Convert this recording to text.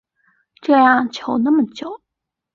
这样求那么久